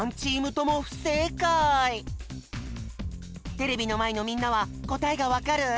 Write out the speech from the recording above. テレビのまえのみんなはこたえがわかる？